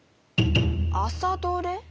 「朝どれ」？